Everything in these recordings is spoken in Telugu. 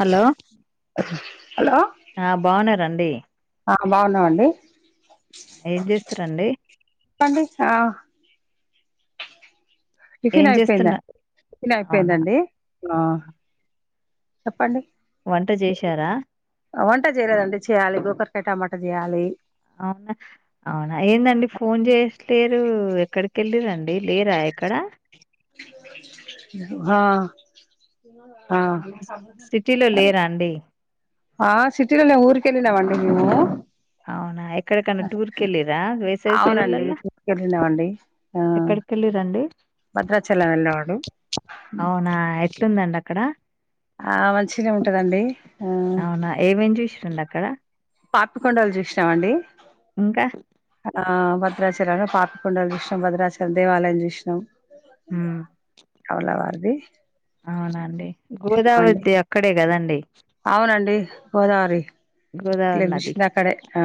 హలో హలో హా బాగున్నారండి హా బాగున్నావండి ఏం చేస్తున్నారండి ఆ టిఫిన్ అయిపోయింద చేస్తున్నా టిఫిన్ అవునా అయిపోయిందండి ఆ చెప్పండి వంట చేశారా వంట చేయలేదండి చేయాలి గోకరకాయ టమాటా చేయాలి అవునా అవునా ఏందండి ఫోన్ చేసలేరు ఎక్కడికెళ్ళిరండి లేరా ఎక్కడా హా సిటీలో లేరా అండి ఆ సిటీలో నే మేము ఊరికి వెళ్ళామండి మేము అవునా ఎక్కడ కన్నా టూర్ కెళ్ళిరా వేసవి అవునండి సెలవుల్లో టూర్కి వెళ్ళినామండి ఆ తెలీదండి భద్రాచలం వెళ్ళావా నువ్వు ఉందండి అక్కడ ఆ మంచినే ఉంటదండి ఆ అవునా ఏమేం చూసిడి అక్కడ పాపికొండలు చూసినామండి ఇంకా ఆ భద్రాచలం పాపికొండలు చూసినం భద్రాచలం దేవాలయం చూసిన ఉమ్ సౌండ్ ఎవరిది అవునండి గోదావరి ది అక్కడే కదండీ అవునండి గోదావరి విష్ణుకరి ఆ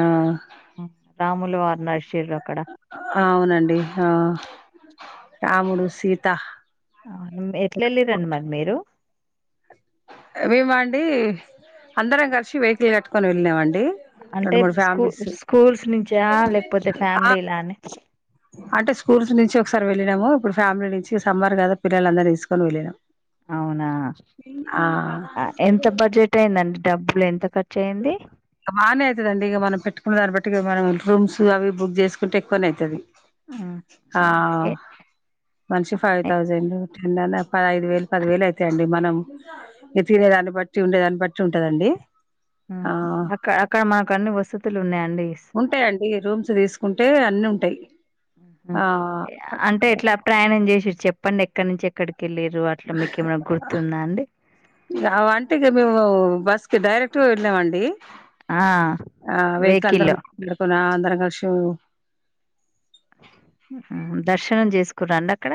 రాములవారు నడిచి ఎక్కడ అవునండి ఆ రాముడు సీత ఆ మరి ఎట్లా వెళ్లారు అండి మీరు మేమ అండి అందరం కలిసి వెహికల్ కట్టుకొని వెళ్ళినామండి అంటే రెండు మూడు స్కూ ఫ్యామిలీస్ స్కూల్స్ నుంచా లేకపోతే ఆ ఫ్యామిలీ లాని అంటే స్కూల్స్ నుంచి ఒకసారి వెళ్ళినాము ఇప్పుడు ఫ్యామిలీ నుంచి సమ్మార్ కదా పిల్లల అందరినీ తీసుకొని వెళ్ళినాము అవునా ఎంత బడ్జెట్ అయిందండి డబ్బులు ఎంత ఖర్చు అయ్యింది బాగానే అవుతుదండి ఇక మనం పెట్టుకున్న దాన్ని బట్టి ఇ మనం రూమ్స్ అవి బుక్ చేసుకుంటే ఎక్కువనే అవుతుది ఉమ్, ఆ ఉమ్, ఏ మనిషి ఫైవ్ ఏ, థౌజండ్ పదైదు వేలు పది వేలు అయితే అండి మనం తినే దాన్ని బట్టి ఉండేదాన్ని బట్టి ఉంటదండి ఆ! అక్క అక్కడ మాకు అన్ని వసతులు ఉన్నాయ ఉంటాయిండి రూమ్స్ తీసుకుంటే అన్ని ఉంటాయి ఆహ్, అంటే ఎట్లా ప్రయాణం చేస చెప్పండి ఎక్కడి నుంచి ఎక్కడికి వెళ్ళిరు అట్లా మీకు ఏమైనా గుర్తుందా అండి ఆ అంటగా మీ బస్కి డైరెక్ట్ వెలేమండి ఆ ఆ వెహికల్ అందరు వెహికల్లో మాట్లాడుకు అంద్ర కషు దర్శనం చేసుకున్నాండి అక్కడ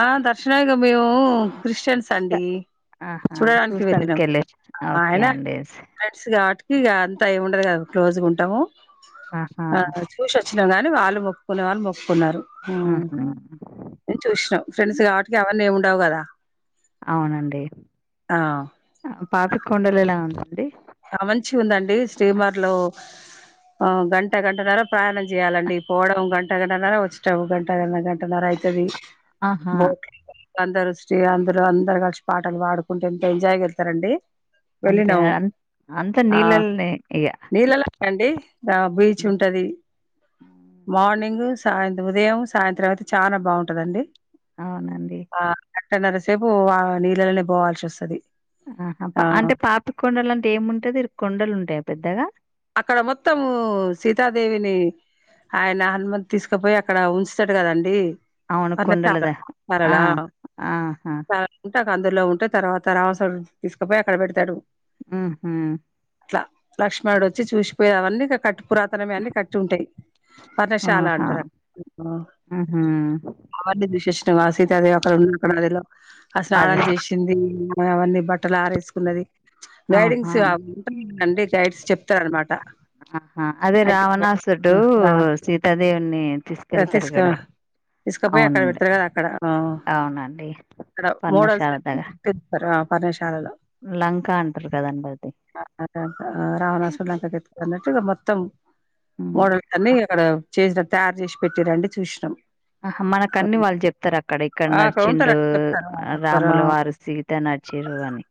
ఆ దర్శనాయగా మేము క్రిస్టియన్స్ అండి ఆహా చూడడానికి చూడానికి చూసినందుకు వెళ్లినం వెళ్ళిరు ఓకే ఆయన అండి ఫెండ్స్ కాబట్టి అంతా ఏమి ఉండదు కాదు రోజుగాంటాము ఆహా ఆ చూసిచ్చినాము గాని వాళ్ళు మొప్పుకునే వాళ్ళు మొప్పుకున్నారు ఆహ చూసినం ఫ్రెండ్స్ కాబట్టి గవర్ని ఏముండవు కదా అవునండి ఆ! పాపి కొండలు ఎలా ఉందండి ఆ మంచి ఉందండి శ్రీమర్ లో ఆ గంట గంటన్నర ప్రయాణం చేయాలండి పోవడం గంట గంటన్నర వచ్చట గంట గ గంటన్నర ఉంటది ఆహా అందరు వష్టి అందులో అందరు కలిసి పాటలు పాడుకుంటే ఎంత ఎంజాయ్ వెళ్తారండి అంతే వెళ్ళినాము నర్ ఆ నీళ్ళలాండి బీచ్ ఉంటది మార్నింగ్ సాయంత్రం ఉదయం సాయంత్రం అయితే చాలా బాగుంటదండి అవునండి గంటన్నరసేపు వా నీళ్ళలోనే పోవాల్సి వస్తది ఆహా ఆ పా అంటే పాపి కొండలు అంటే ఏముంటేందిరు కొండలు ఉంటాయా పెద్దగా అక్కడ మొత్తము సీతాదేవిని ఆయన హనుమతి తీసుకపోయి అక్కడ ఉంచుతాడు కదండి అవును అర కొండలదా కరళ ఆ ఆహా ఆ అందులో ఉంటే తర్వాత రావాసడు తీసుకుపోయి అక్కడ పెడతాడు ఉహు అట్లా లక్ష్మణయుడు వచ్చి చూసిపోయి అవన్నీ కట్టు పురాతనమే అన్ని కట్టి ఉంటాయి పర్ణశాల ఆహా అంటారు అక్కడ ఉహు అబడి దుశష్ణ ఆ సీతాదేవి అక్కడ ఉన్న అక్కడ అదిలో ఆ స్నానం అదే చేసింది అవన్నీ బట్టలు ఆరేసుకున్నది ఆహా గైడెన్స్ ఉంటాంది కండి గైడ్స్ చెప్ ఇత్స్ అన్నమాట ఆహా అదే రావణాసుడు రా సీతాదేవుని తీసుకెళ్తారు తీసుక గడ తీసుకపోయి అక్కడ పెడతారు కదా అక్కడ ఆ అవునండి అక్కడ పర్ణశాల దగ్గర మోడల్స్స్తారా లలో లంక అంటారు కదండి అది ఆ రావణ అన్నట్టు మొత్తం హ్మ్. మోడల్ అన్ని అక్కడ చేసినట్ తయారు చేసి పెట్టి రండి చూసినాం ఆహ మనక అన్ని వాళ్ళు చెప్తారు అక్కడ ఇక్కడ ఆ అక్కడ నడిచిండు ఉంటారండి చెప్తారు ఆ చెప్తారు రాముల వారు సీత న నచ్చిర్రు అని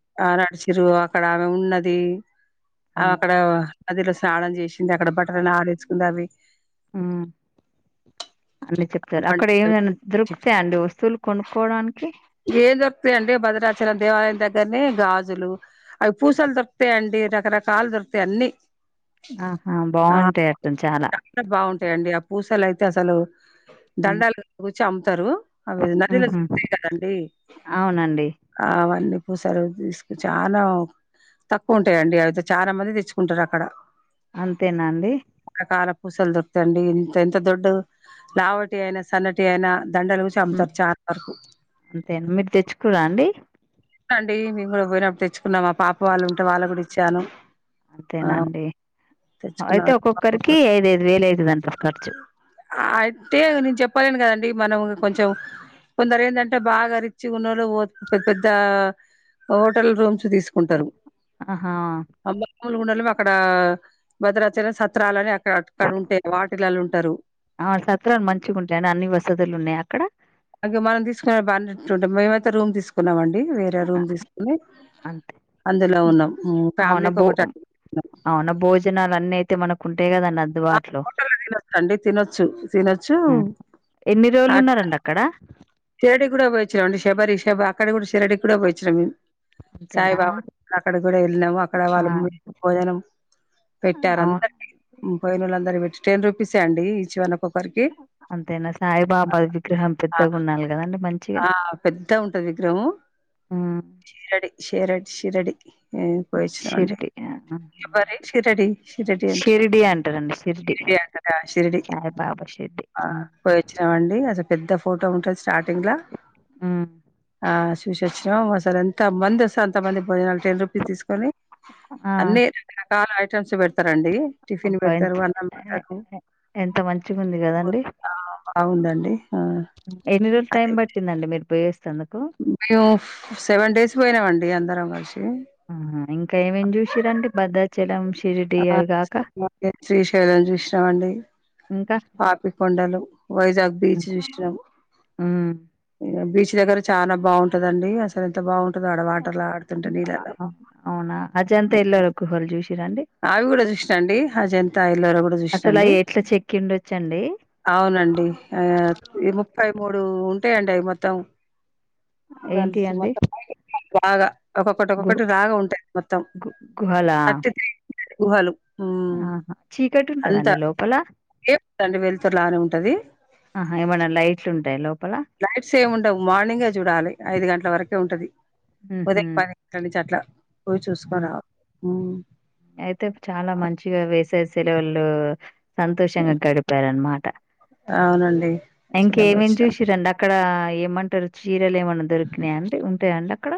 ఇరు అక్కడ ఆమె ఉన్నది అక్కడ నదిలో స్నానం చేసి అక్కడ బట్టర్ని ఆరేసుకున్నది ఉమ్ చెప్తారు అక్కడ ఏమైనా దొరుకుతాయి అండి వస్తువులు కొనుక్కోవడానికి దసర దేవాలయం దగ్గరని గాజులు అవి పూసలు దొరుతాయండి రకరకాలు దొరుకుతాయి అన్ని. ఆహా ఆ బావుంటాయి అట్టను చాలా బాగుంటాయండి ఆ పూసలు అయితే అసలు దండలు కూర్చి అమ్ముతారు. అవి నదిలో ఉహు జరుతాయి కదండి అవునండి అవన్నీ పూసలు తీసుకు చాలా తక్కువ ఉంటాయంండి అవితే చాలా మంది తెచ్చుకుంటారు అక్కడ అంతేనాండి చాలా పూసలు దొరుకుతాండి ఇంత ఎంత దొడ్డు లావటి అయినా, సన్నటి అయినా దండలు హ్మ్. చమ్ముతారు చాలా వరకు అంతేనా మీరు తెచ్చుకురా అండి అండి మేము కూడా పోయినప్పుడు తెచ్చుకున్నాం మా పాప వాళ్ళు ఉంటే వాళ్ళ కూడా ఇచ్చాను. ఆ అంతేనండి. తెచ్చుకున్నాం అయితే ఒక్కొక్కరికి ఐద ఐదు వేలు అవుతుందింటారు ఖర్చు అయితే నేను చెప్పలేను కదం డి మనం కొంచెం కొందరు ఏంటంటే బాగారిచ్చి ఉన్నులు పోదు పెద్ద పె ద్ద హోటల్ రూమ్స్ తీసుకుంటారు ఆహా అబ మూలిగుండలమి అక్కడ భద్రాచలం సత్రాల అని అక్కడ అటికాడ ఉంటే వాటిలళు ఉంటారు ఆ సత్రాలు మంచిగా ఉంటాయండి అన్ని వసతులు ఉన్నాయి అక్కడ అలాగే మనం తీసుకునే బాగా నిట్టుండే మేమైతే రూమ్ తీసుకున్నాం అండి. డి వేరే ఆ! రూమ్ తీసుకుని అంతే అందులో ఉన్నాం మ్ అవునా ఫ్యామిలీకి బో ఒకటన్ అవునా భోజనాలు అన్ని అయితే మనకు ఉంటాయి కదాన్న అందుబాటులో హోటల్లో తినొచ్చండి తినొచ్చు తినొచ్చు ఆ! ఎన్ని రోజులు అట్లా ఉన్నారండి అక్కడ శిరిడి కూడా పోయిచ్చినామ్ అండి శషబరిషబ అక్కడ కూడా శిరిడికి కూడా పోయిచ్చినాము మేము అంతేనా సాయిబాబాతో అక్కడ కూడా వెళ్ళినాము అక్కడ ఆ వాళ్ళ భోజనం పెట్టారు అవును అందరి పోయినోళ్లు అందరి పెట్ టెన్ రూపీసె అండి ఇ చివనమ్ అంతేనా సాయిబాబా విగ్రహం ఆ పెద్దగా ఉండాల ఆ పెద్ద ఉంటది విగ్రహము హ్మ్. షిరడి షిరడి షిరడి ఇ పోయిచ్చినవండి షిరిడి ఆహా! శబరి శిరిడి శిరిడి అంటున్నాను. షిరిడి అంటారండి షిరిడి అంటద షిరిడి సాయిబాబా షిరిడి ఆ హ్మ్. పోయి వచ్చినామండి అసలు పెద్ద ఫోటో లో ఉంటది స్టార్టింగ్లా హ్మ్. ఆ చూసి వొచ్చినా సారి ఎంత మంది వస్తారు అంతమంది పో నాకు టెన్ రూపీస్ తీసుకొని ఆ అన్ని రకరకాల ఐటెమ్స్ పెడతారండి. టిఫిన్ అబ్బా పెడతారు, ఎంత అన్నం ఎ పెడతారు ఎ ఎంత మంచిగా ఉంది కదండి ఆ బావుందండి. ఎన్ని రోజులు టైం పట్టిందండి మీరు పోయేస్త మేము సెవెన్ డేస్ పోయినామండి అందరం కలిసి ఆ ఇంకా ఏమేమి చూసిరండి భద్రాచలం, షిరిడి ఆ అవిగాక శ్రీశైలం చూసినాం అండి ఇంకా పాపికొండలు వైజాగ్ బీచ్ చూసినాం హ్మ్. ఇ బీచ్ దగ్గర చాలా బావుంటదండి అసలు ఎంత బావుం అ ఆహు అవునా అజంతా ఎల్రకు హల్ జూష ఆవి కూడా చూసినాండి అజంతా ఎల్లోరా కూడా అసలు చూసినాండి. అయి ఎట్లా చెక్కిండొచ్చండి అవునండి ఆ ఈము ఐ మూడు ఉంటాయండి అవి మొత్తం ఏంటి గర్ల్స్ అండి మొత్తం బాగా ఒక్కొక్కటి గు ఒక్కొక్కటి రాగా ఉంటాయి మొత్తం గు గుహలా థర్టీ త్రీ గుహలు హ్మ్ ఆహా చీకటి ఉంటదండి లోపల ఇలానే ఉంటది. ఆహా ఏమన్నా లైట్లు ఉంటాయి లోపల లైట్స్ ఏముండవు మార్నింగే చూడాలి ఐదు గంటల వరకు ఉంటది ఉహు ఉదయం పదిక్కల నుంచి అట్లా పోయి చూసుకొని ఉమ్ రావాలి ఆ అయితే చాలా మంచిగా వేసవి సెలవులు సంతోషంగా ఓకే. గడిపారన్నమాట అవునండి మంచిగానే ఇంకేమేమి వచ్చినాం చూశిరండి అక్కడ ఏమంటారు చీరలు ఏమన్నా దొరికినాయి అంటే ఉంటాయండి అక్కడ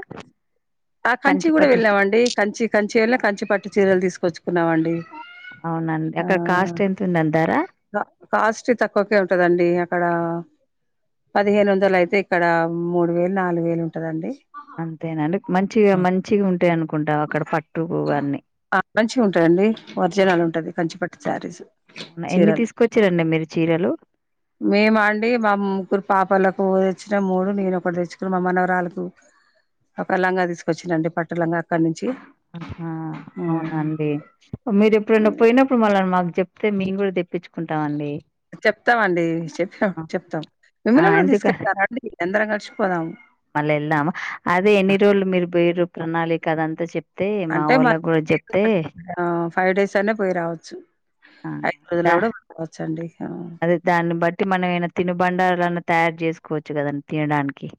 ఆ కంచి కూడా కంచిపట్టు వెళ్ళామండి కంచి కంచి వెళ్ళ కంచి పట్టు చీరలు తీసుకొచ్చు తీస్కునమ్మండి అవునండి అక్కడ కాస్ట్ ఎంత ఉందండి ధర ఆ కాస్ట్ తక్కువకే ఉంటదండి అక్కడ పదిహేను వందలు అయితే ఇక్కడ మూడు వేలు నాలుగు వేలు ఉంటదండి అంతేనండి మంచిగా మంచిగా ఉంటై ఆ మంచిగా ఉంటాదండి ఒరిజినల్ ఉంటది కంచిపట్టి శారీసు అవునా ఎన్ని తీసుకొచ్చారండి మీరు చీరలు మేమ అండి మా ముగ్గురు పాపలకు వచ్చిన మూడు నేను ఒకటి తెచ్చుకుని మమనవరాలకు ఒక లంగా తీసుకొచ్చాండి పట్టటు లంగా అక్కడ నుంచి ఆహా హ్మ్. అవునండి మీరు ఎప్పుడైనా పోయినప్పుడు మళ్ళని మాకు చెప్ అతే మేము కూడా తెప్పించుకుంటాం అండి చెప్తామండీ చెప్పం చెప్తాం ఆ! మిమ్మల్ని కూడా ఎందుక తీసుకెళ్తానండి అందరం కలిసిపోదాం మళ్ళ వెళ్దాం అదే ఎన్ని రోజులు మీరు వేరు ప్రణాళిక అదంతా చెప్ అంటే మన అ ఫైవ్ డేస్ అనే పోయి రావచ్చు ఆ ఐదు రోజులో దా కుడా పోవచ్చండీ అదే దాన్ని బట్టి మనమ ఏమనా తినబండారున్నా తయారు చేసుకోవచ్చు కదండి తినడానికి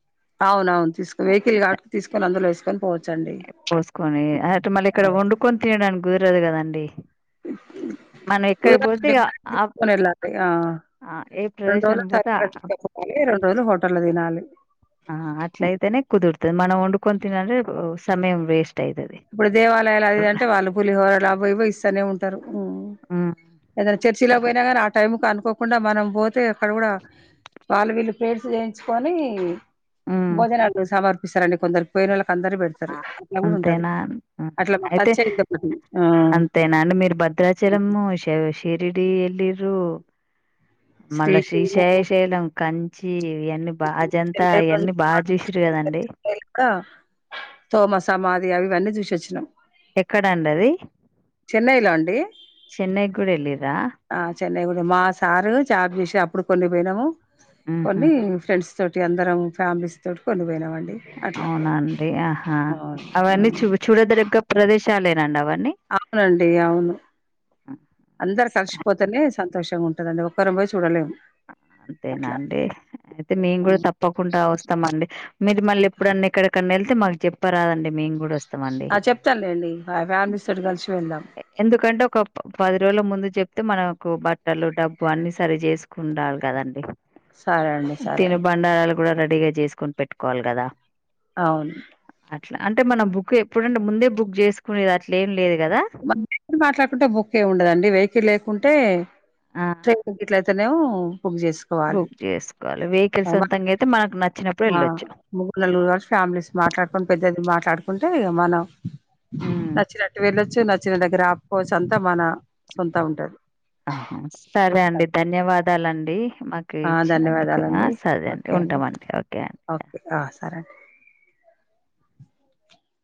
అవునవును తీసు వెహికకిల్గా ఆటుకు తీసుకని అందులో వసుకొని పోవచ్చు పోసుకొని అంటే మళ్ళీ ఇక్కడ వండుకొని తినడానికి కుదరదు కదండి మనం ఎక్కడ పోతే ఇగ ఆ ఊన్ ఎలా [unintelligible] ఆ ఆ ఏ రెండు రోజులు ప్రదేశాన్ని పోతే ఆ [unintelligible] సవాలి రెండు రోజులు హోటళ్లు తినాలి ఆ అట్ల హ్మ్. అయితేనే కుదురుతుది మనం వండుకొని తన్నలెన్ సమయం వేస్ట్ అయితది ఇప్పుడు దేవాలయాలు అదిదింటే వాళ్ళు పులిహోరలు అవేవో ఇస్తూనే ఉంటారు ఉమ్ ఏదైనా చర్చిలో పోయినా కానీ ఆ టైమ్కొ అనుకో కాకుండా మనం పోతే అక్కడ కూడా వాళ్ళు వీళ్ళు ప్రయెర్స్ చేయించుకొని ఉమ్ భోజనాలు సమర్పిస్తారండి కొందరుకి పోయిన వాళ్ళకి అందరుకీ పెడతారు అట్లా కూడా ఉంటది అంతేనా అట్లా మాకు అయితే టచ్ అయిందొకటి ఆ అంతేనా అండి మీరు భద్రాచలము శే షిరిడి ఎల్లిరు మళ్ళా శ్రీశైలం శ్రీశైయ శైలం కంచి ఇయని బా అయంత చెన్నై కూడా ఇవన్ని బాగా చూసిరు చెన్నైలో కాదండి కూడా తోమ సమాధి అ ఇవన్నీ చూసిచ్చినం ఎక్కడండాది చెన్నైలోండి కూడా వెళ్ళిర్రా ఆ చెన్నై కూడా మా సార్ జాబ్ చేసి అప్పుడు కొన్ని పోయినాము ఉహు కొన్ని ఫ్రెండ్స్ తోటి అందరం ఫ్యామిలీస్ తోటి కొన్నిపోయినామండి అవునండి ఆహా అవును అవన్నీ అవును. చూ చూడదగ్గ ప్రదేశాలే అవునండి అవును అందరు కలిసిపోతేనే సంత తోషంగా ఉంటుందడి ఒక్కరం పోయి చూడలేము అట్లా అంతేనాండడి అయితే మేము కూడా ఉం. తప్పకుండా వస్తాం అండి మీరు మళ్ళీ ఎప్పుడన్న ఇక్కడికన్నా వెళ్ అయితే మాకు చెప్పరాదండి మేము కూడా వ అండి ఆ చెప్తానులేండి ఫ్యామిలీస్ తోటి కలిసి వెళ్దాం ఎందుకంటే ఒక పది రోజుల ముందు చెప్తే మనకు బట్టలు డబ్బు అన్ని సరి చేసుకుండాలి కదండి సరే అండి సరే తిను అండి బండారాలు కూడా రెడీగా చేసుకోని పెట్టుకోవాలి కదా అవును అట్లా అంటే మనం బుక్ ఎప్పుడంటే ముందే బుక్ చేసుకునేది అట్ల ఏం లేదు కదా మాట్లాడుకుంటే బుక్ ఉండదండి వెహికల్ లేకుంటే ఆ ట్రైన్ట్ నో బుక్ చేసుకోవాలి బుక్ చేసుకోవాలి వెహికల్ సొంతంగా అయితే మనకు నచ్చినప్పుడు వెళ్ళొచ్చు నలుగురు వ ఫలీస్ మాట్లాడుకుని పెద్దది మాట్లాడుకుంటే ఇక మనం హ్మ్. నచ్చినట్టు వేళ నచ్చిన దగ్ర ఆఫకోచ్ అంతా మన సొంతం ఉంటది సరే అండి ధన్యవాదాలండి మాకు ఆ ఇచ్చినందుకు ధన్యవాదాలండి సరే అండి ఓకే ఉంటామండి ఓకే అండి ఓకే ఆ సరే అండి